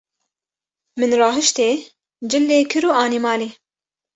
Min rahiştê, cil lê kir û anî malê.